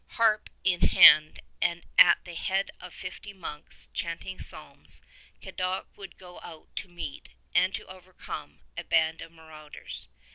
Harp in hand and at the head of fifty monks chanting psalms, Cadoc would go out to meet, and to overcome, a band of marauders.